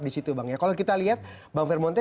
di situ bang kalau kita lihat bang firmonte